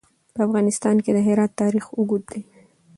په افغانستان کې د هرات تاریخ اوږد دی.